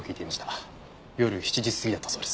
夜７時過ぎだったそうです。